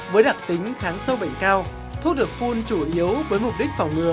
với đặc tính kháng sâu bệnh cao thuốc được phun chủ yếu với mục đích phòng ngừa